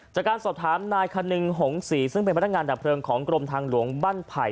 จากการสอบถามนายคนึงหงศรีซึ่งเป็นพนักงานดับเพลิงของกรมทางหลวงบ้านไผ่